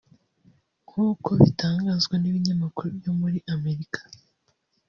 nk'uko bitangazwa n'ibinyamakuru byo muri Amerika